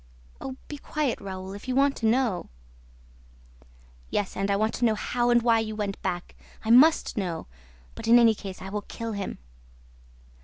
"Oh, be quiet, Raoul, if you want to know!" "Yes, I want to know how and why you went back; I must know! ... But, in any case, I will kill him!"